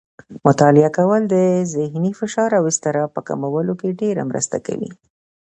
مطالعه کول د ذهني فشار او اضطراب په کمولو کې ډېره مرسته کوي.